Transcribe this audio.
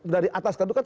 dari atas kan itu kan